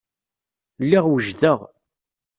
Lliɣ wejdeɣ.